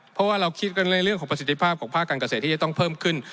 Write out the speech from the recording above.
เพราะว่าเราคิดกันในเรื่องของประสิทธิภาพของภาคการเกษตรที่จะต้องเพิ่มขึ้น